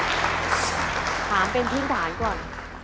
ขอถามเป็นพิธีฐานก่อน